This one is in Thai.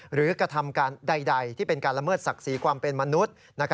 กระทำการใดที่เป็นการละเมิดศักดิ์ศรีความเป็นมนุษย์